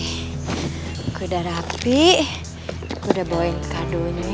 aku mau ambil tas dulu